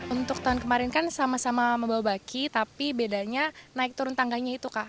untuk tahun kemarin kan sama sama membawa baki tapi bedanya naik turun tangganya itu kak